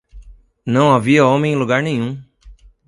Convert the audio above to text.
Não havia homem em lugar nenhum!